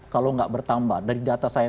kalau nggak bertambah dari data saya